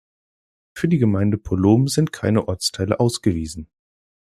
Für die Gemeinde Polom sind keine Ortsteile ausgewiesen.